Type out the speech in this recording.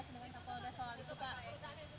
soalnya itu pak